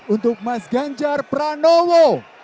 untuk mas ganjar pranowo